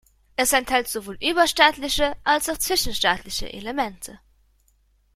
Es enthält sowohl überstaatliche als auch zwischenstaatliche Elemente.